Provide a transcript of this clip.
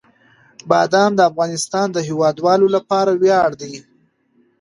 بادام د افغانستان د هیوادوالو لپاره ویاړ دی.